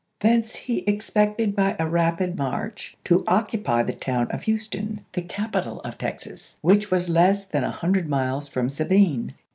Thence he expected by a rapid march to occupy the town of Houston, the capital of Texas, which was less than a hundred miles from Sabine.